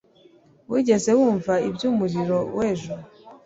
Wigeze wumva iby'umuriro w'ejo?